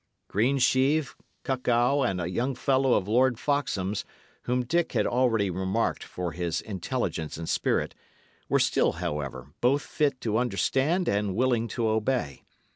Greensheve, Cuckow, and a young fellow of Lord Foxham's whom Dick had already remarked for his intelligence and spirit, were still, however, both fit to understand and willing to obey.